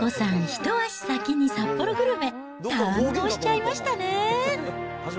一足先に札幌グルメ、堪能しちゃいましたね。